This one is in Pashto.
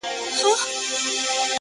زه نه كړم گيله اشــــــــــــنا _